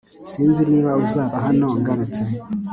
Sinzi niba uzaba hano ngarutse